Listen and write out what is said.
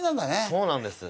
そうなんです。